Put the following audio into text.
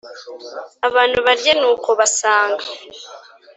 abantu barye Nuko basanga